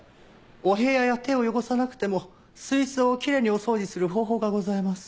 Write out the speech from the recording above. お部屋や手を汚さなくても水槽をきれいにお掃除する方法がございます。